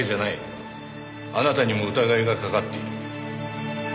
あなたにも疑いがかかっている。